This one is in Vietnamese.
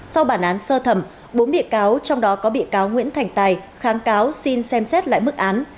sau bản án sơ thẩm bốn bị cáo trong đó có bị cáo nguyễn thành tài kháng cáo xin xem xét lại mức án